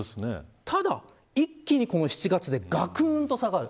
ただ一気に７月でがくんと下がる。